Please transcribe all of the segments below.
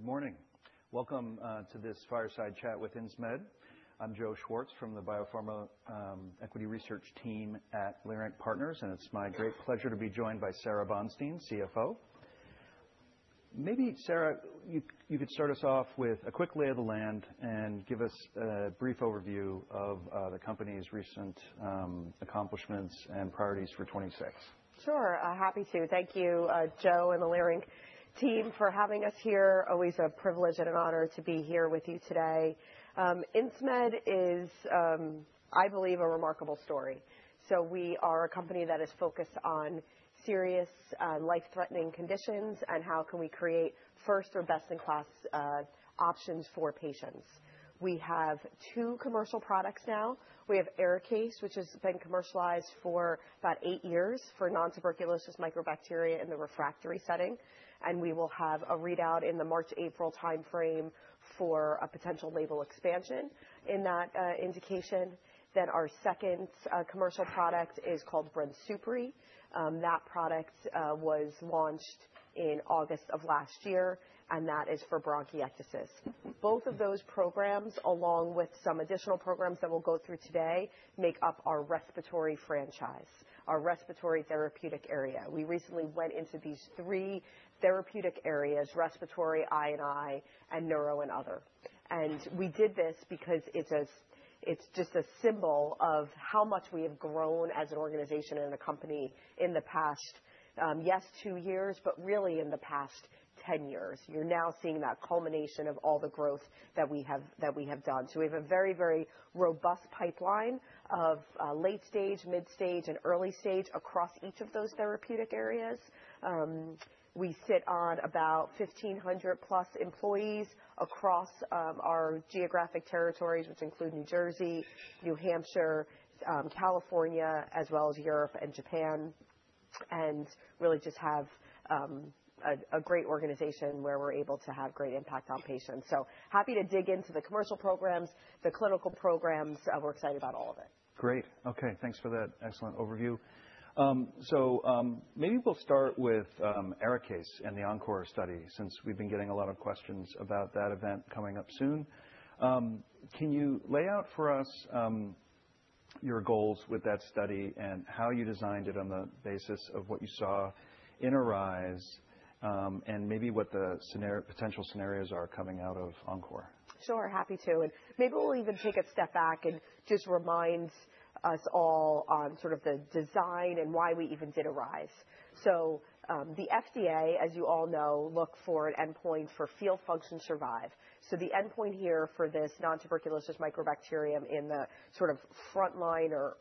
Good morning. Welcome to this fireside chat with Insmed. I'm Joe Schwartz from the biopharma equity research team at Leerink Partners, and it's my great pleasure to be joined by Sara Bonstein, CFO. Maybe, Sara, you could start us off with a quick lay of the land and give us a brief overview of the company's recent accomplishments and priorities for 2026. Sure. Happy to. Thank you, Joe and the Leerink team for having us here. Always a privilege and an honor to be here with you today. Insmed is, I believe, a remarkable story. We are a company that is focused on serious, life-threatening conditions and how can we create first or best-in-class options for patients. We have two commercial products now. We have ARIKAYCE, which has been commercialized for about eight years for nontuberculous mycobacteria in the refractory setting, and we will have a readout in the March-April timeframe for a potential label expansion in that indication. Our second commercial product is called brensocatib. That product was launched in August of last year, and that is for bronchiectasis. Both of those programs, along with some additional programs that we'll go through today, make up our respiratory franchise, our respiratory therapeutic area. We recently went into these three therapeutic areas, respiratory, I&I, and neuro and other. We did this because it's just a symbol of how much we have grown as an organization and a company in the past two years, but really in the past 10 years. You're now seeing that culmination of all the growth that we have done. We have a very, very robust pipeline of late stage, mid stage and early stage across each of those therapeutic areas. We sit on about 1,500+ employees across our geographic territories, which include New Jersey, New Hampshire, California, as well as Europe and Japan. Really just have a great organization where we're able to have great impact on patients. Happy to dig into the commercial programs, the clinical programs. We're excited about all of it. Great. Okay. Thanks for that excellent overview. Maybe we'll start with ARIKAYCE and the ENCORE study since we've been getting a lot of questions about that event coming up soon. Can you lay out for us your goals with that study and how you designed it on the basis of what you saw in ARISE, and maybe what the potential scenarios are coming out of ENCORE? Sure. Happy to. Maybe we'll even take a step back and just remind us all on sort of the design and why we even did ARISE. The FDA, as you all know, look for an endpoint for feel, function, survive. The endpoint here for this nontuberculous mycobacteria in the sort of frontline or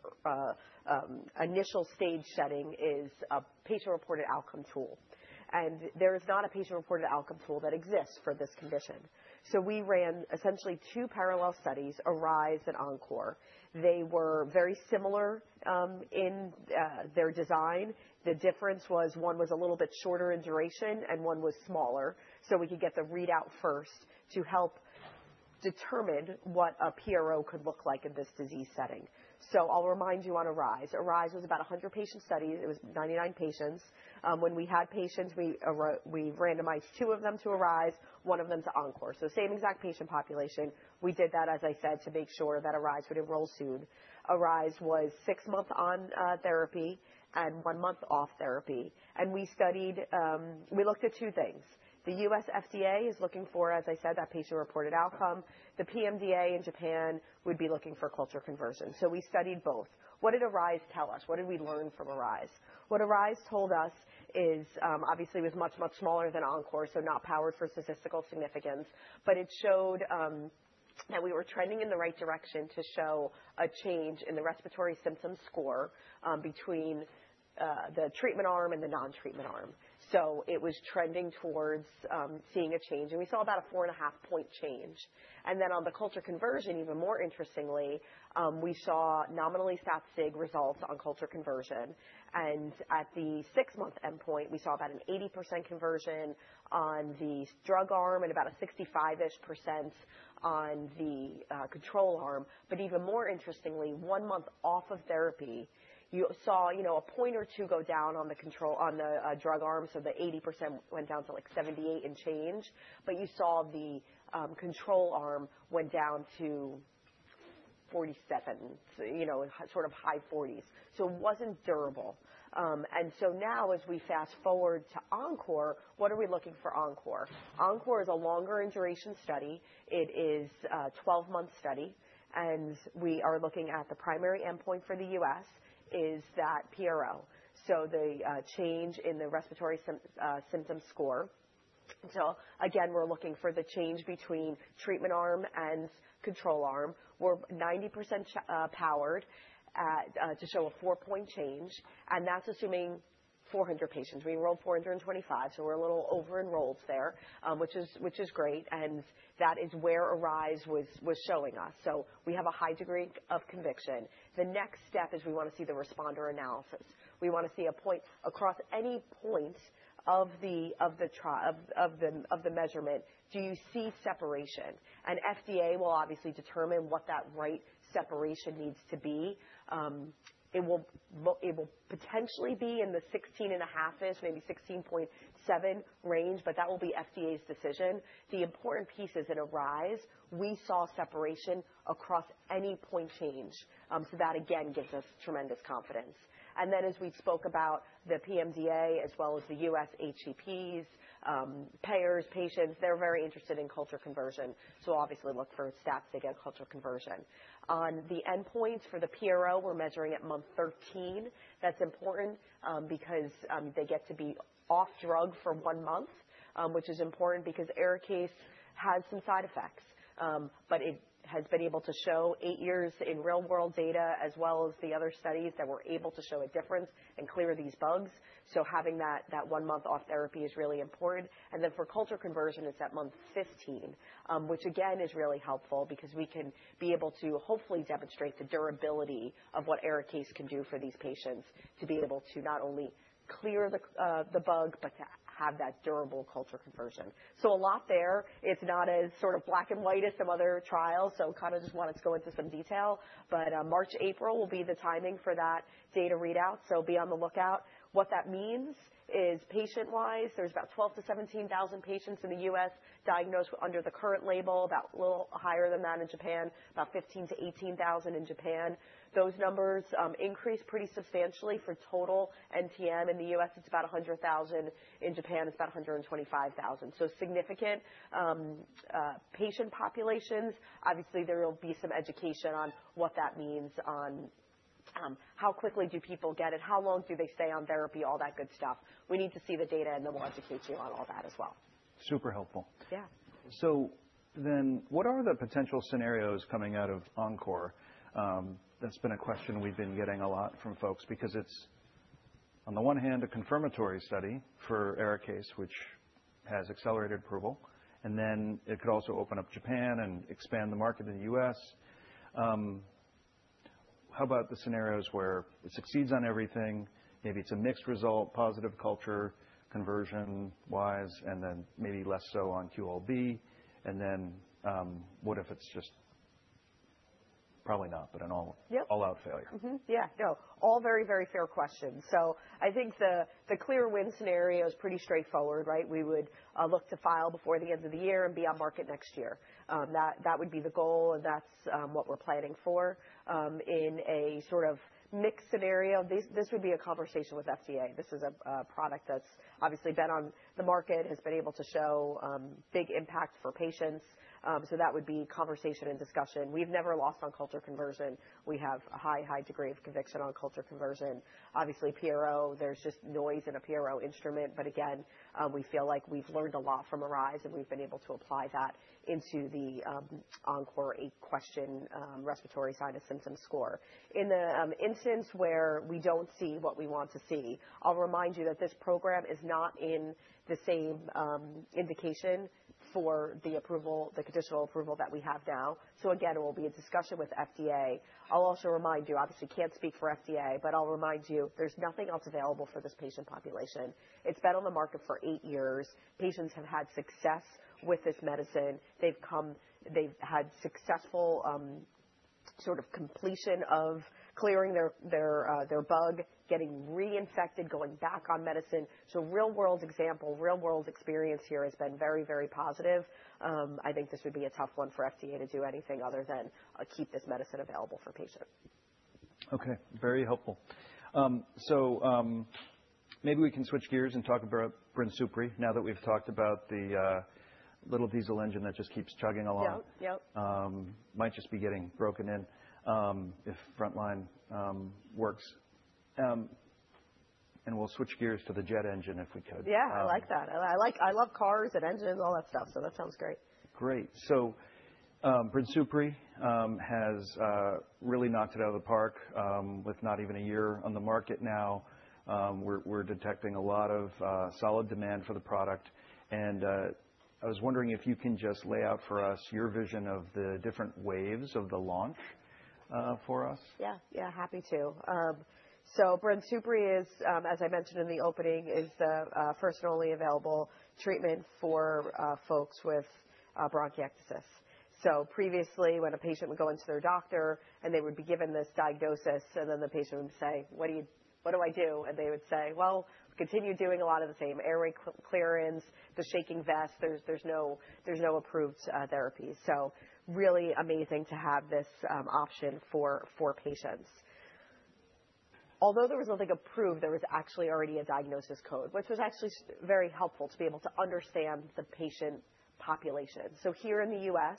initial stage setting is a patient-reported outcome tool. There is not a patient-reported outcome tool that exists for this condition. We ran essentially two parallel studies, ARISE and ENCORE. They were very similar in their design. The difference was one was a little bit shorter in duration and one was smaller, so we could get the readout first to help determine what a PRO could look like in this disease setting. I'll remind you on ARISE. ARISE was about a 100-patient study. It was 99 patients. When we had patients, we randomized 2 of them to ARISE, 1 of them to ENCORE. Same exact patient population. We did that, as I said, to make sure that ARISE would enroll soon. ARISE was 6 months on therapy and 1 month off therapy. We looked at 2 things. The U.S. FDA is looking for, as I said, that patient-reported outcome. The PMDA in Japan would be looking for culture conversion. We studied both. What did ARISE tell us? What did we learn from ARISE? What ARISE told us is, obviously it was much, much smaller than ENCORE, so not powered for statistical significance. It showed that we were trending in the right direction to show a change in the respiratory symptom score between the treatment arm and the non-treatment arm. It was trending towards seeing a change. We saw about a 4.5-point change. Then on the culture conversion, even more interestingly, we saw nominally stat sig results on culture conversion. At the 6-month endpoint, we saw about an 80% conversion on the drug arm and about a 65-ish% on the control arm. Even more interestingly, 1 month off of therapy, you saw a point or two go down on the drug arm, so the 80% went down to like 78 and change. You saw the control arm went down to 47, sort of high 40s. It wasn't durable. Now as we fast-forward to ENCORE, what are we looking for in ENCORE? ENCORE is a longer in duration study. It is a 12-month study, and we are looking at the primary endpoint for the U.S. is that PRO. The change in the respiratory symptom score. Again, we're looking for the change between treatment arm and control arm. We're 90% powered to show a 4-point change, and that's assuming 400 patients. We enrolled 425, so we're a little over enrolled there, which is great, and that is where ARISE was showing us. We have a high degree of conviction. The next step is we wanna see the responder analysis. We wanna see a point across any point of the measurement. Do you see separation? FDA will obviously determine what that right separation needs to be. It will potentially be in the 16.5-ish, maybe 16.7 range, but that will be FDA's decision. The important piece is at ARISE we saw separation across any point change, so that again gives us tremendous confidence. Then as we spoke about the PMDA as well as the US HCPs, payers, patients, they're very interested in culture conversion, so obviously look for stats to get culture conversion. On the endpoints for the PRO, we're measuring at month 13. That's important, because they get to be off drug for one month, which is important because ARIKAYCE has some side effects. It has been able to show eight years in real world data as well as the other studies that were able to show a difference and clear these bugs. Having that one month off therapy is really important. Then for culture conversion, it's at month 15, which again is really helpful because we can be able to hopefully demonstrate the durability of what ARIKAYCE can do for these patients to be able to not only clear the bug, but to have that durable culture conversion. A lot there. It's not as sort of black and white as some other trials, kind of just wanted to go into some detail. March, April will be the timing for that data readout, be on the lookout. What that means is patient-wise, there's about 12,000-17,000 patients in the U.S. diagnosed under the current label, a little higher than that in Japan, about 15,000-18,000 in Japan. Those numbers increase pretty substantially for total NTM. In the U.S., it's about 100,000. In Japan, it's about 125,000. Significant patient populations. Obviously, there will be some education on what that means on how quickly do people get it, how long do they stay on therapy, all that good stuff. We need to see the data, and then we'll educate you on all that as well. Super helpful. Yeah. What are the potential scenarios coming out of ENCORE? That's been a question we've been getting a lot from folks because it's on the one hand a confirmatory study for ARIKAYCE, which has accelerated approval, and then it could also open up Japan and expand the market in the US. How about the scenarios where it succeeds on everything? Maybe it's a mixed result, positive culture conversion-wise, and then maybe less so on QoL. Yep. All-out failure. Yeah, no. All very, very fair questions. I think the clear win scenario is pretty straightforward, right? We would look to file before the end of the year and be on market next year. That would be the goal, and that's what we're planning for. In a sort of mixed scenario, this would be a conversation with FDA. This is a product that's obviously been on the market, has been able to show big impact for patients, so that would be conversation and discussion. We've never lost on culture conversion. We have a high degree of conviction on culture conversion. Obviously, PRO, there's just noise in a PRO instrument, but again, we feel like we've learned a lot from ARISE, and we've been able to apply that into the ENCORE eight-question Symptom Total Symptom Score. In the instance where we don't see what we want to see, I'll remind you that this program is not in the same indication for the approval, the conditional approval that we have now. Again, it will be a discussion with FDA. I'll also remind you, obviously can't speak for FDA, but I'll remind you there's nothing else available for this patient population. It's been on the market for eight years. Patients have had success with this medicine. They've had successful sort of completion of clearing their bug, getting reinfected, going back on medicine. Real-world example, real-world experience here has been very, very positive. I think this would be a tough one for FDA to do anything other than, keep this medicine available for patients. Okay. Very helpful. Maybe we can switch gears and talk about brensocatib now that we've talked about the little diesel engine that just keeps chugging along. Yep, yep. Might just be getting broken in, if frontline works. We'll switch gears to the jet engine if we could. Yeah, I like that. I love cars and engines and all that stuff, so that sounds great. Great. brensocatib has really knocked it out of the park with not even a year on the market now. We're detecting a lot of solid demand for the product, and I was wondering if you can just lay out for us your vision of the different waves of the launch for us. Yeah. Yeah, happy to. brensocatib is, as I mentioned in the opening, the first and only available treatment for folks with bronchiectasis. Previously, when a patient would go into their doctor and they would be given this diagnosis, and then the patient would say, "What do I do?" And they would say, "Well, continue doing a lot of the same airway clearance, the shaking vest. There's no approved therapy." Really amazing to have this option for patients. Although there was nothing approved, there was actually already a diagnosis code, which was actually very helpful to be able to understand the patient population. Here in the US,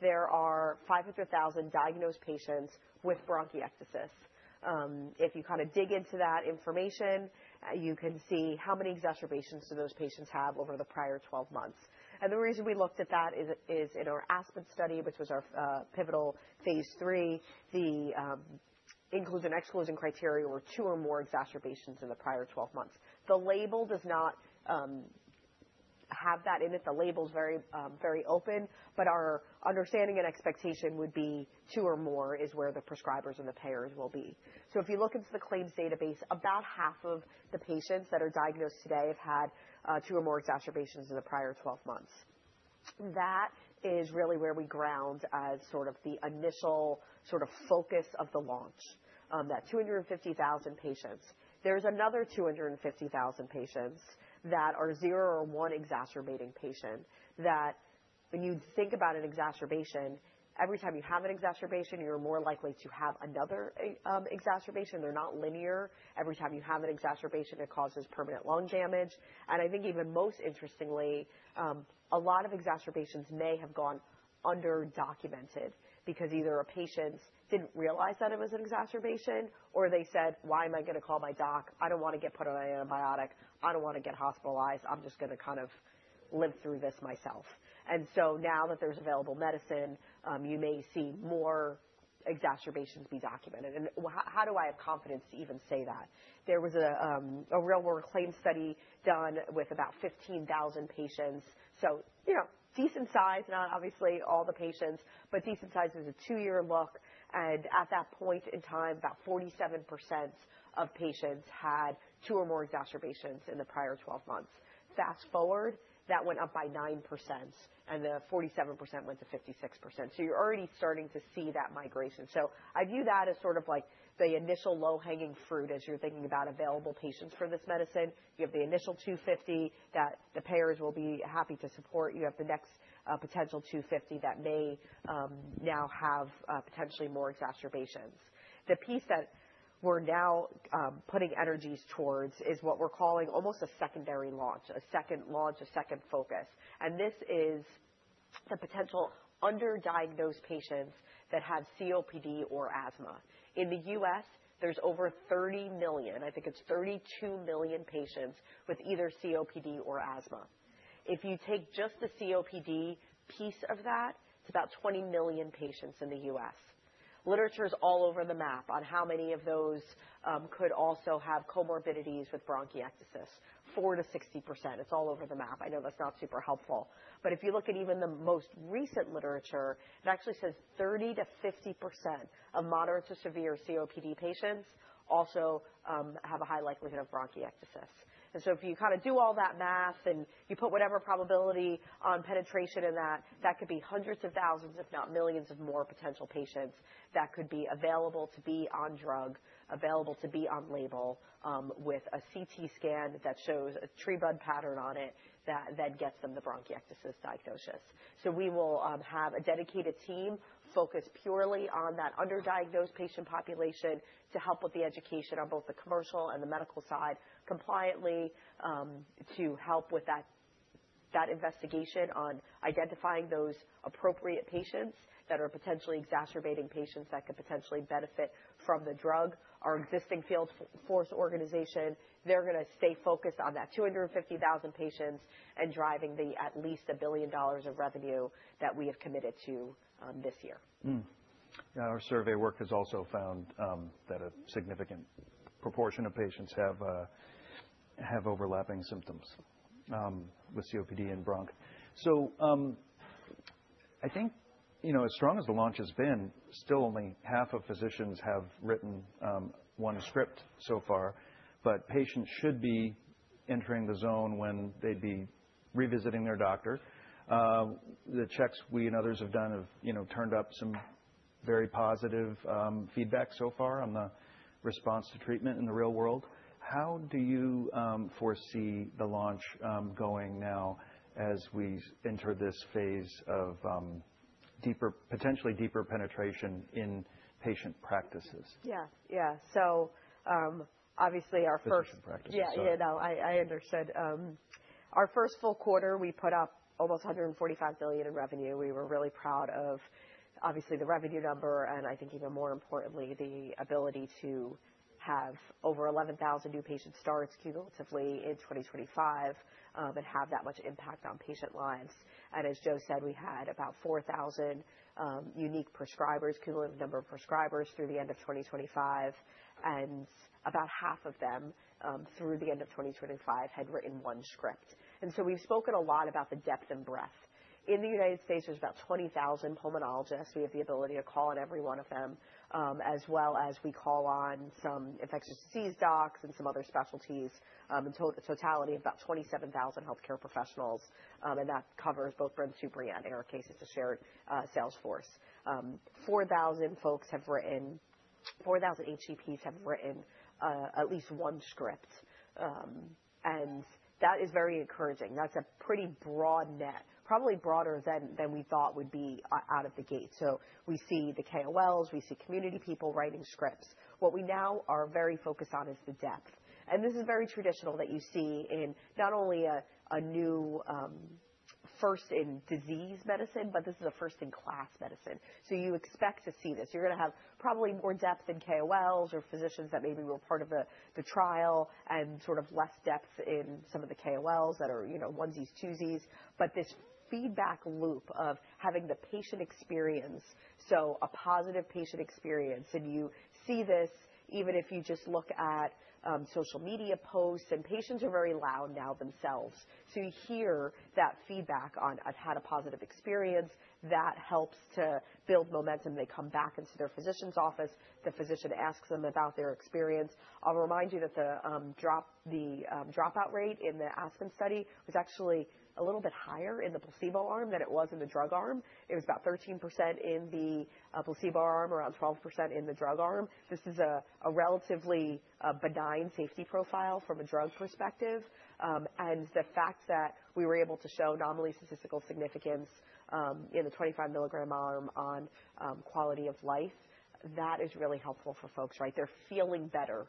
there are 500,000 diagnosed patients with bronchiectasis. If you kind of dig into that information, you can see how many exacerbations do those patients have over the prior 12 months. The reason we looked at that is in our ASPEN study, which was our pivotal phase 3, the inclusion and exclusion criteria were two or more exacerbations in the prior 12 months. The label does not have that in it. The label is very, very open, but our understanding and expectation would be two or more is where the prescribers and the payers will be. If you look into the claims database, about half of the patients that are diagnosed today have had two or more exacerbations in the prior 12 months. That is really where we ground as sort of the initial sort of focus of the launch, that 250,000 patients. There's another 250,000 patients that are zero or one exacerbating patient that when you think about an exacerbation, every time you have an exacerbation, you're more likely to have another exacerbation. They're not linear. Every time you have an exacerbation, it causes permanent lung damage. I think even most interestingly, a lot of exacerbations may have gone under-documented because either a patient didn't realize that it was an exacerbation or they said, "Why am I gonna call my doc? I don't wanna get put on an antibiotic. I don't wanna get hospitalized. I'm just gonna kind of live through this myself." Now that there's available medicine, you may see more exacerbations be documented. How do I have confidence to even say that? There was a real-world claims study done with about 15,000 patients, so you know, decent size, not obviously all the patients, but decent size. It was a 2-year look, and at that point in time, about 47% of patients had two or more exacerbations in the prior 12 months. Fast-forward, that went up by 9% and the 47% went to 56%. You're already starting to see that migration. I view that as sort of like the initial low-hanging fruit as you're thinking about available patients for this medicine. You have the initial 250 that the payers will be happy to support. You have the next potential 250 that may now have potentially more exacerbations. The piece that we're now putting energies towards is what we're calling almost a secondary launch, a second launch, a second focus. This is the potential underdiagnosed patients that have COPD or asthma. In the US, there's over 30 million. I think it's 32 million patients with either COPD or asthma. If you take just the COPD piece of that, it's about 20 million patients in the US. Literature's all over the map on how many of those could also have comorbidities with bronchiectasis. 4%-60%. It's all over the map. I know that's not super helpful. If you look at even the most recent literature, it actually says 30%-50% of moderate to severe COPD patients also have a high likelihood of bronchiectasis. If you kind of do all that math and you put whatever probability on penetration in that could be hundreds of thousands, if not millions of more potential patients that could be available to be on drug, available to be on label, with a CT scan that shows a tree-in-bud pattern on it that then gets them the bronchiectasis diagnosis. We will have a dedicated team focused purely on that underdiagnosed patient population to help with the education on both the commercial and the medical side compliantly, to help with that investigation on identifying those appropriate patients that are potentially exacerbating patients that could potentially benefit from the drug. Our existing field force organization, they're gonna stay focused on that 250,000 patients and driving to at least $1 billion of revenue that we have committed to this year. Our survey work has also found that a significant proportion of patients have overlapping symptoms with COPD and bronch. I think, you know, as strong as the launch has been, still only half of physicians have written one script so far, but patients should be entering the zone when they'd be revisiting their doctor. The checks we and others have done, you know, turned up some very positive feedback so far on the response to treatment in the real world. How do you foresee the launch going now as we enter this phase of potentially deeper penetration in patient practices? Yeah. Yeah. Obviously our first Physician practices. Sorry. Yeah, no, I understood. Our first full quarter, we put up almost $145 billion in revenue. We were really proud of obviously the revenue number, and I think even more importantly, the ability to have over 11,000 new patient starts cumulatively in 2025, and have that much impact on patient lives. As Joe said, we had about 4,000 unique prescribers, cumulative number of prescribers through the end of 2025, and about half of them through the end of 2025 had written one script. We've spoken a lot about the depth and breadth. In the United States, there's about 20,000 pulmonologists. We have the ability to call on every one of them, as well as we call on some infectious disease docs and some other specialties, in totality of about 27,000 healthcare professionals. That covers both brensocatib and ARIKAYCE. It's a shared sales force. 4,000 folks have written. 4,000 HCPs have written at least one script. That is very encouraging. That's a pretty broad net, probably broader than we thought would be out of the gate. We see the KOLs, we see community people writing scripts. What we now are very focused on is the depth. This is very traditional that you see in not only a new first in disease medicine, but this is a first in class medicine. You expect to see this. You're gonna have probably more depth in KOLs or physicians that maybe were part of the trial and sort of less depth in some of the KOLs that are, you know, onesies, twosies. This feedback loop of having the patient experience, so a positive patient experience, and you see this, even if you just look at social media posts, and patients are very loud now themselves. You hear that feedback on, "I've had a positive experience," that helps to build momentum. They come back into their physician's office, the physician asks them about their experience. I'll remind you that the dropout rate in the ASPEN study was actually a little bit higher in the placebo arm than it was in the drug arm. It was about 13% in the placebo arm, around 12% in the drug arm. This is a relatively benign safety profile from a drug perspective. The fact that we were able to show nominally statistical significance in the 25 milligram arm on quality of life, that is really helpful for folks, right? They're feeling better.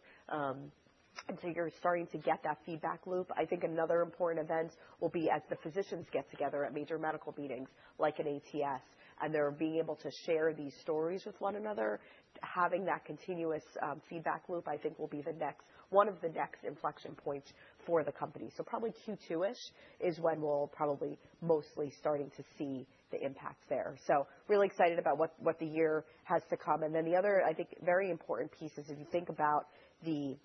You're starting to get that feedback loop. I think another important event will be as the physicians get together at major medical meetings, like at ATS, and they're being able to share these stories with one another. Having that continuous feedback loop, I think will be the next one of the next inflection points for the company. Probably Q2-ish is when we'll probably mostly starting to see the impact there. Really excited about what the year has to come. The other, I think, very important piece is if you think about the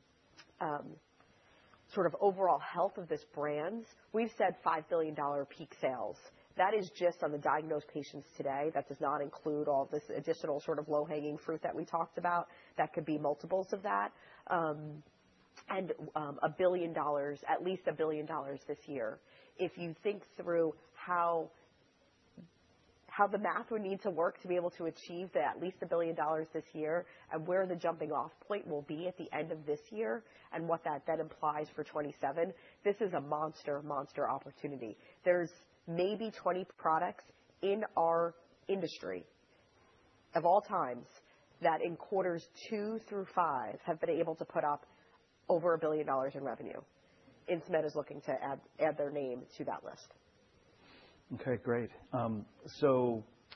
sort of overall health of this brand. We've said $5 billion peak sales. That is just on the diagnosed patients today. That does not include all this additional sort of low-hanging fruit that we talked about. That could be multiples of that. At least $1 billion this year. If you think through how the math would need to work to be able to achieve at least $1 billion this year and where the jumping-off point will be at the end of this year and what that then implies for 2027, this is a monster opportunity. There's maybe 20 products in our industry of all times that in quarters 2 through 5 have been able to put up over $1 billion in revenue. Insmed is looking to add their name to that list. Okay, great.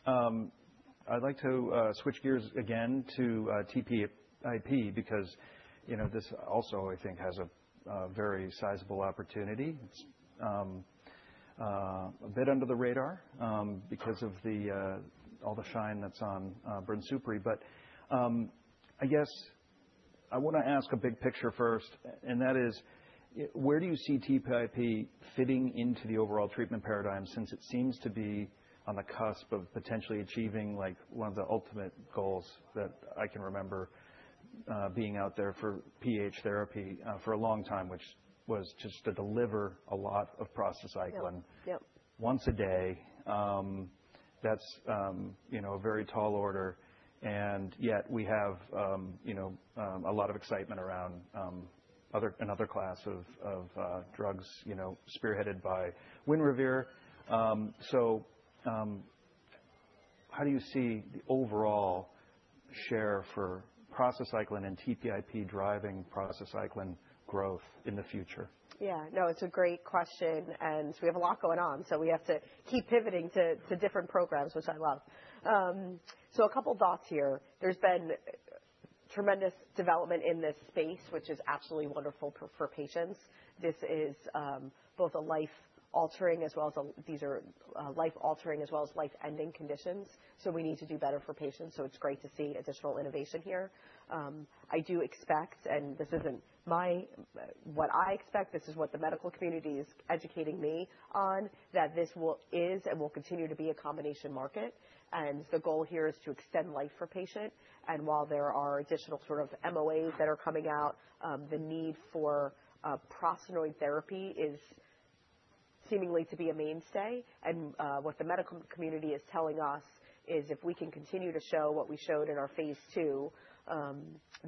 I'd like to switch gears again to TPIP because, you know, this also, I think, has a very sizable opportunity. It's a bit under the radar because of all the shine that's on brensocatib. I guess I wanna ask a big picture first, and that is, where do you see TPIP fitting into the overall treatment paradigm since it seems to be on the cusp of potentially achieving like one of the ultimate goals that I can remember being out there for PH therapy for a long time, which was just to deliver a lot of prostacyclin- Yep. Yep... once a day. That's you know, a very tall order, and yet we have you know, a lot of excitement around another class of drugs, you know, spearheaded by Winrevair. How do you see the overall share for prostacyclin and TPIP driving prostacyclin growth in the future? Yeah. No, it's a great question, and we have a lot going on, so we have to keep pivoting to different programs, which I love. So a couple thoughts here. There's been tremendous development in this space, which is absolutely wonderful for patients. This is both a life-altering as well as these are life-altering as well as life-ending conditions, so we need to do better for patients, so it's great to see additional innovation here. I do expect, and this isn't what I expect, this is what the medical community is educating me on, that this is and will continue to be a combination market. The goal here is to extend life for patient. While there are additional sort of MOAs that are coming out, the need for prostanoid therapy is seemingly to be a mainstay. What the medical community is telling us is if we can continue to show what we showed in our phase 2,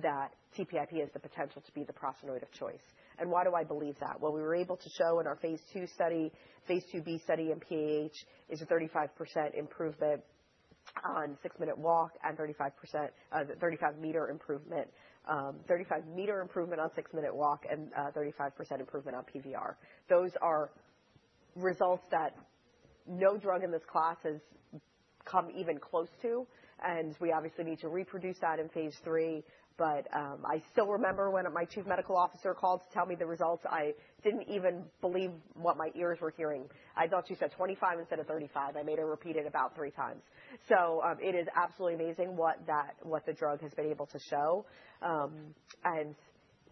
that TPIP has the potential to be the prostanoid of choice. Why do I believe that? Well, we were able to show in our phase 2 study, phase 2b study in PH, is a 35% improvement on six-minute walk and 35-meter improvement. 35-meter improvement on six-minute walk and 35% improvement on PVR. Those are results that no drug in this class has come even close to, and we obviously need to reproduce that in phase 3. I still remember when my Chief Medical Officer called to tell me the results. I didn't even believe what my ears were hearing. I thought she said 25 instead of 35. I made her repeat it about three times. It is absolutely amazing what the drug has been able to show.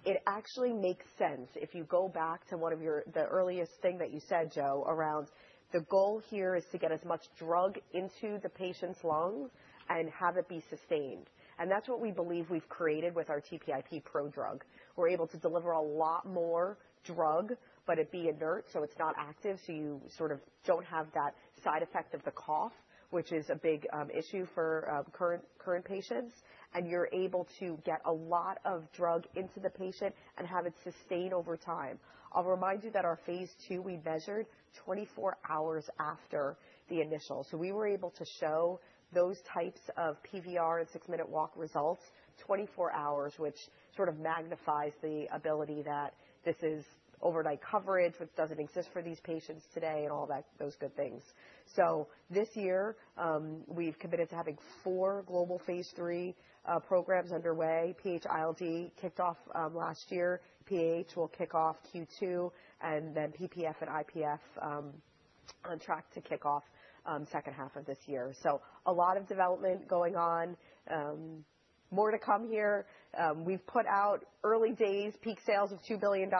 It actually makes sense. If you go back to the earliest thing that you said, Joe, around the goal here is to get as much drug into the patient's lung and have it be sustained. That's what we believe we've created with our TPIP prodrug. We're able to deliver a lot more drug, but it be inert, so it's not active, so you sort of don't have that side effect of the cough, which is a big issue for current patients, and you're able to get a lot of drug into the patient and have it sustain over time. I'll remind you that our phase 2, we measured 24 hours after the initial. We were able to show those types of PVR and six-minute walk results 24 hours, which sort of magnifies the ability that this is overnight coverage, which doesn't exist for these patients today and all that, those good things. This year, we've committed to having 4 global phase 3 programs underway. PH-ILD kicked off last year. PAH will kick off Q2, and then PPF and IPF on track to kick off second half of this year. A lot of development going on. More to come here. We've put out early days peak sales of $2 billion.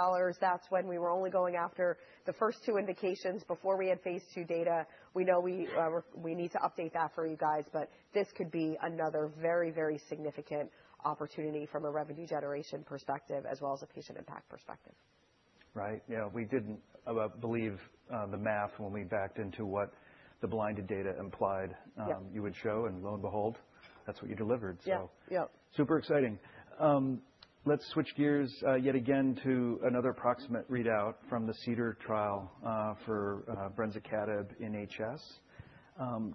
That's when we were only going after the first 2 indications before we had phase 2 data. We know we need to update that for you guys, but this could be another very, very significant opportunity from a revenue generation perspective as well as a patient impact perspective. Right. Yeah, we didn't believe the math when we backed into what the blinded data implied. Yeah. you would show, and lo and behold, that's what you delivered. Yeah, yeah. Super exciting. Let's switch gears, yet again to another approximate readout from the CEDAR trial, for brensocatib in HS.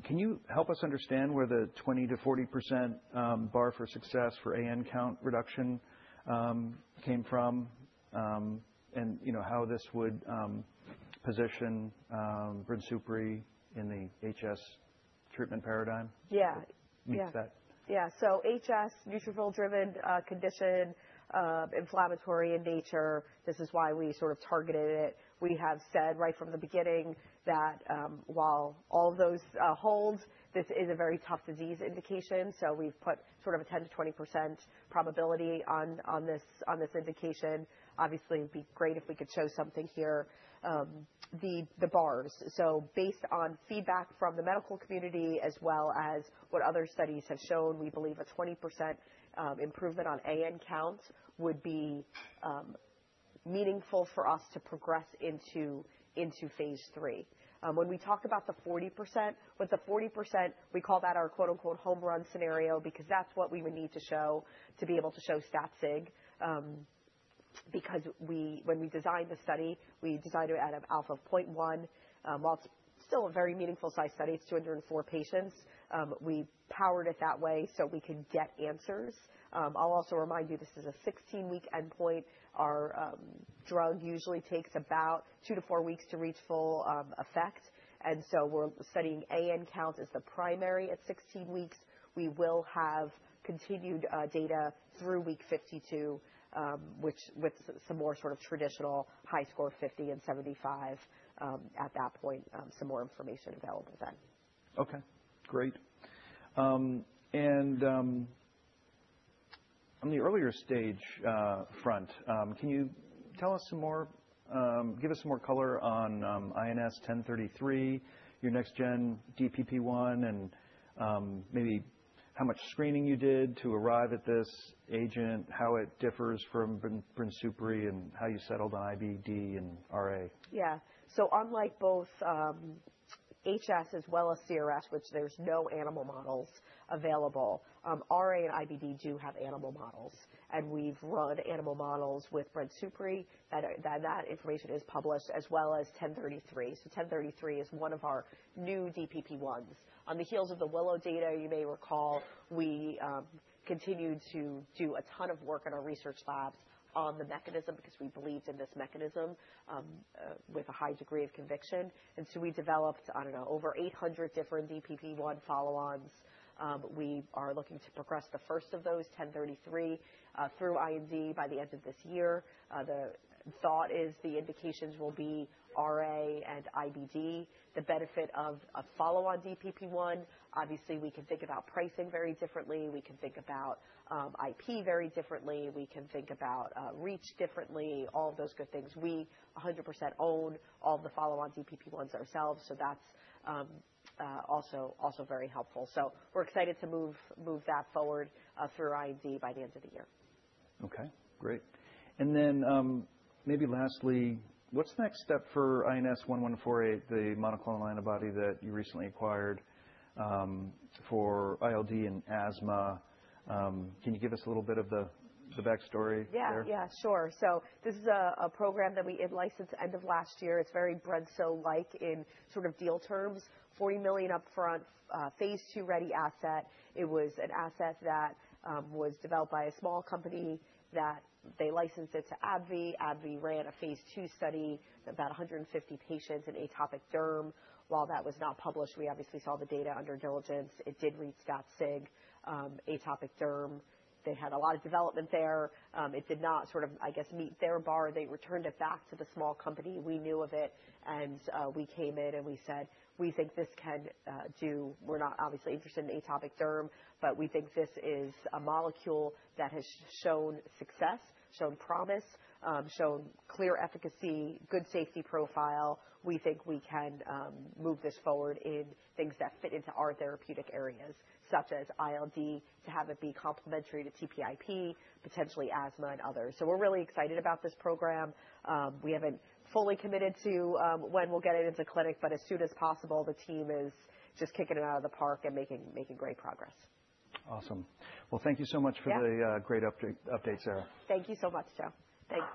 Can you help us understand where the 20%-40% bar for success for AN count reduction came from, and, you know, how this would position brensocatib in the HS treatment paradigm? Yeah. Meet that. Yeah. HS, neutrophil driven, condition, inflammatory in nature. This is why we sort of targeted it. We have said right from the beginning that, while all those, hold, this is a very tough disease indication. We've put sort of a 10%-20% probability on this indication. Obviously, it'd be great if we could show something here, the bars. Based on feedback from the medical community as well as what other studies have shown, we believe a 20% improvement on AN counts would be meaningful for us to progress into phase three. When we talk about the 40%, with the 40%, we call that our quote-unquote "home run scenario" because that's what we would need to show to be able to show stat sig. When we designed the study, we designed it at an alpha of 0.1. While it's still a very meaningful size study, it's 204 patients, we powered it that way so we could get answers. I'll also remind you this is a 16-week endpoint. Our drug usually takes about 2-4 weeks to reach full effect. We're studying AN counts as the primary at 16 weeks. We will have continued data through week 52, which with some more sort of traditional HiSCR 50 and 75 at that point, some more information available then. Okay, great. On the early stage front, give us some more color on INS1033, your next gen DPP1, and maybe how much screening you did to arrive at this agent, how it differs from brensocatib, and how you settled on IBD and RA? Yeah. Unlike both, HS as well as CRS, which there's no animal models available, RA and IBD do have animal models, and we've run animal models with brensocatib. That information is published as well as INS1033. INS1033 is one of our new DPP1s. On the heels of the WILLOW data, you may recall, we continued to do a ton of work in our research labs on the mechanism because we believed in this mechanism, with a high degree of conviction. We developed, I don't know, over 800 different DPP1 follow-ons. We are looking to progress the first of those, INS1033, through IND by the end of this year. The thought is the indications will be RA and IBD, the benefit of a follow-on DPP1. Obviously, we can think about pricing very differently. We can think about IP very differently. We can think about reach differently, all of those good things. We 100% own all the follow-on DPP1s ourselves. That's also very helpful. We're excited to move that forward through IND by the end of the year. Okay, great. Maybe lastly, what's the next step for INS1148, the monoclonal antibody that you recently acquired, for ILD and asthma? Can you give us a little bit of the backstory there? Yeah. Yeah, sure. This is a program that we in-licensed end of last year. It's very brensocatib-like in sort of deal terms, $40 million upfront, phase 2 ready asset. It was an asset that was developed by a small company that they licensed it to AbbVie. AbbVie ran a phase 2 study, about 150 patients in atopic dermatitis. While that was not published, we obviously saw the data under due diligence. It did reach stat sig in atopic dermatitis. They had a lot of development there. It did not sort of, I guess, meet their bar. They returned it back to the small company. We knew of it, and we came in and we said, "We think this can do... We're not obviously interested in atopic dermatitis, but we think this is a molecule that has shown success, shown promise, shown clear efficacy, good safety profile. We think we can move this forward in things that fit into our therapeutic areas, such as ILD, to have it be complementary to TPIP, potentially asthma and others. We're really excited about this program. We haven't fully committed to when we'll get it into clinic, but as soon as possible, the team is just kicking it out of the park and making great progress. Awesome. Well, thank you so much for the great update, Sara. Thank you so much, Joe. Thanks.